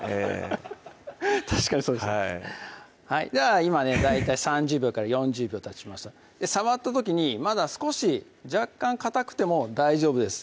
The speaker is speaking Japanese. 確かにそうですはいでは今ね大体３０秒４０秒たちました触った時にまだ少し若干かたくても大丈夫です